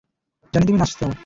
জানি, তুমি নাচতে চাও।